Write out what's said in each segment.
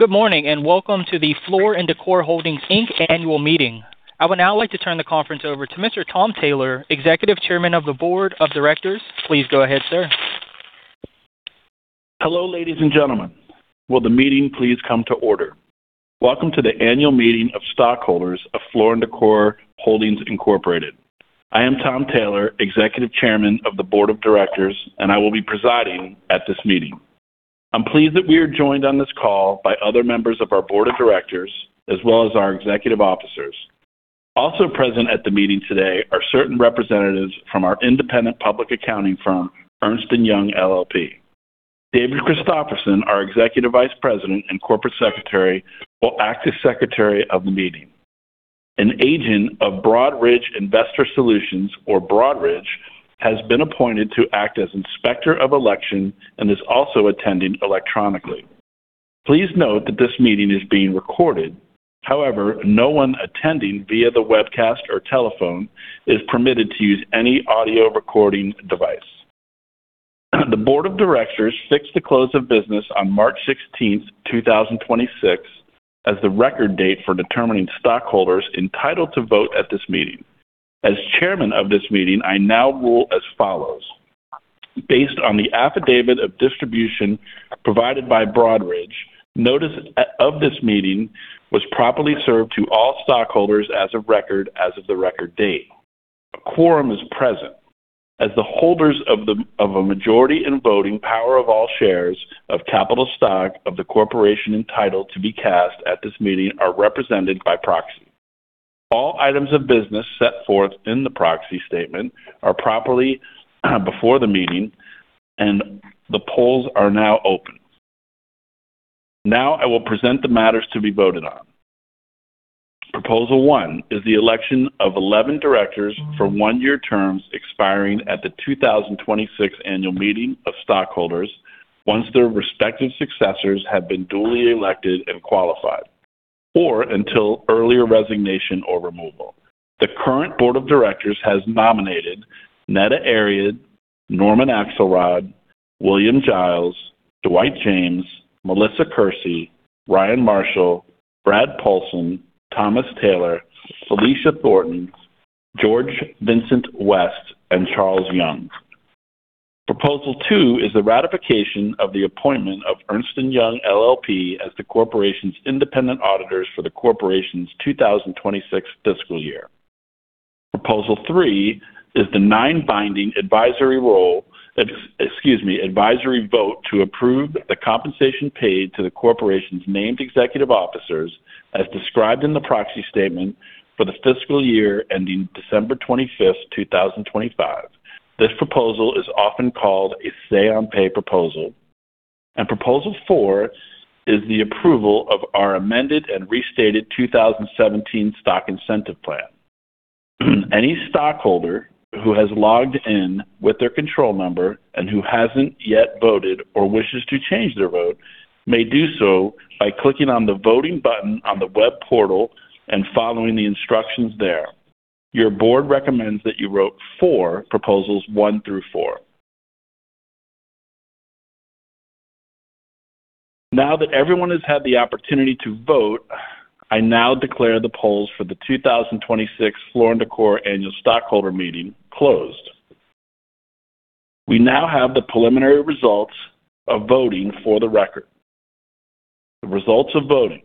Good morning, and welcome to the Floor & Decor Holdings, Inc. Annual Meeting. I would now like to turn the conference over to Mr. Tom Taylor, Executive Chairman of the Board of Directors. Please go ahead, sir. Hello, ladies and gentlemen. Will the meeting please come to order? Welcome to the annual meeting of stockholders of Floor & Decor Holdings, Inc. I am Tom Taylor, Executive Chairman of the Board of Directors, and I will be presiding at this meeting. I am pleased that we are joined on this call by other members of our board of directors as well as our executive officers. Also present at the meeting today are certain representatives from our independent public accounting firm, Ernst & Young LLP. David Christopherson, our Executive Vice President and Corporate Secretary, will act as Secretary of the Meeting. An agent of Broadridge Investor Solutions or Broadridge, has been appointed to act as Inspector of Election and is also attending electronically. Please note that this meeting is being recorded. However, no one attending via the webcast or telephone is permitted to use any audio recording device. The Board of Directors fixed the close of business on March 16th, 2026 as the record date for determining stockholders entitled to vote at this meeting. As Chairman of this meeting, I now rule as follows. Based on the affidavit of distribution provided by Broadridge, notice of this meeting was properly served to all stockholders as of record as of the record date. A quorum is present as the holders of a majority in voting power of all shares of capital stock of the corporation entitled to be cast at this meeting are represented by proxy. All items of business set forth in the proxy statement are properly before the meeting, and the polls are now open. Now, I will present the matters to be voted on. Proposal one is the election of 11 directors for one year terms expiring at the 2026 Annual Meeting of Stockholders once their respective successors have been duly elected and qualified, or until earlier resignation or removal. The current Board of Directors has nominated Nada Aried, Norman Axelrod, William Giles, Dwight James, Melissa Kersey, Ryan Marshall, Bradley Paulsen, Thomas Taylor, Felicia Thornton, George Vincent West, and Charles Young. Proposal two is the ratification of the appointment of Ernst & Young LLP as the corporation's independent auditors for the corporation's 2026 fiscal year. Proposal three is the non-binding advisory role, excuse me, advisory vote to approve the compensation paid to the corporation's named executive officers as described in the proxy statement for the fiscal year ending December 25, 2025. This proposal is often called a Say on Pay proposal. Proposal four is the approval of our amended and restated 2017 Stock Incentive Plan. Any stockholder who has logged in with their control number and who hasn't yet voted or wishes to change their vote may do so by clicking on the voting button on the web portal and following the instructions there. Your Board recommends that you vote for proposals one through four. Now that everyone has had the opportunity to vote, I now declare the polls for the 2026 Floor & Decor annual stockholder meeting closed. We now have the preliminary results of voting for the record. The results of voting.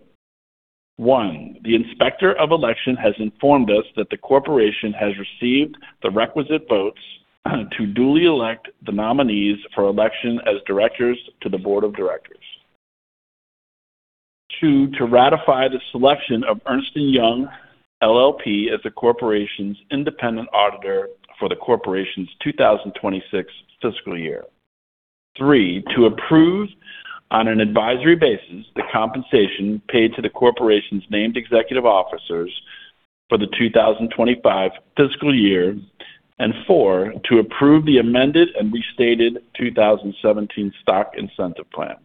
One, the Inspector of Election has informed us that the corporation has received the requisite votes to duly elect the nominees for election as directors to the Board of Directors. Two, to ratify the selection of Ernst & Young LLP as the corporation's independent auditor for the corporation's 2026 fiscal year. Three, to approve on an advisory basis the compensation paid to the corporation's named executive officers for the 2025 fiscal year. Four, to approve the amended and restated 2017 Stock Incentive Plan.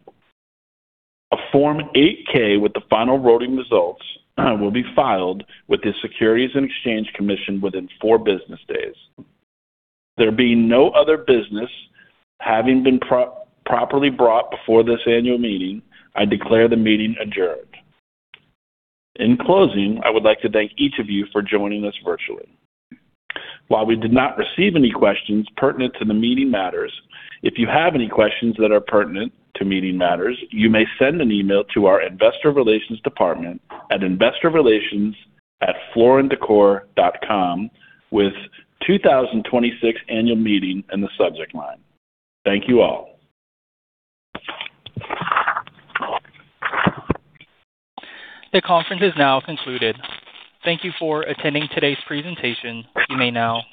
A Form 8-K with the final voting results will be filed with the Securities and Exchange Commission within 4 business days. There being no other business having been properly brought before this annual meeting, I declare the meeting adjourned. In closing, I would like to thank each of you for joining us virtually. While we did not receive any questions pertinent to the meeting matters, if you have any questions that are pertinent to meeting matters, you may send an email to our investor relations department at investorrelations@flooranddecor.com with 2026 annual meeting in the subject line. Thank you all. This conference is now concluded. Thank you for attending today's presentation. You may now disconnect.